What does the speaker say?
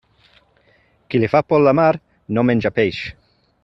Qui li fa por la mar no menja peix.